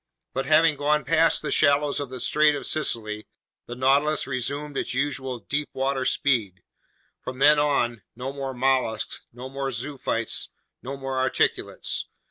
But having gone past the shallows of the Strait of Sicily, the Nautilus resumed its usual deep water speed. From then on, no more mollusks, no more zoophytes, no more articulates.